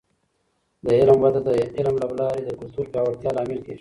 د علم وده د علم له لارې د کلتور پیاوړتیا لامل کیږي.